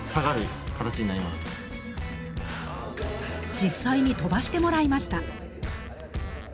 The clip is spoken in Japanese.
実際に飛ばしてもらいました。